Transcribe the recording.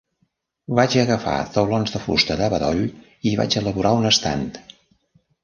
Vaig agafar taulons de fusta de bedoll i vaig elaborar un estant.